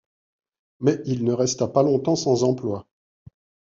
Mais il ne resta pas longtemps sans emploi.